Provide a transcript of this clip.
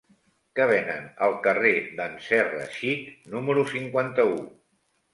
Què venen al carrer d'en Serra Xic número cinquanta-u?